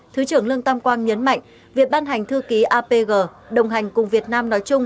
thứ trưởng lương tam quang nhấn mạnh việc ban hành thư ký apg đồng hành cùng việt nam nói chung